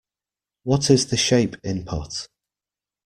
What is the shape input?